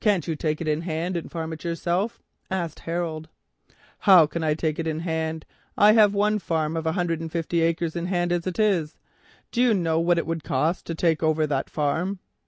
"Can't you take it in hand and farm it yourself?" asked Harold. "How can I take it in hand? I have one farm of a hundred and fifty acres in hand as it is. Do you know what it would cost to take over that farm?"